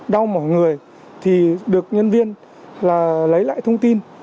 đau mỏ người thì được nhân viên lấy lại thông tin